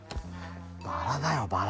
バラだよバラ。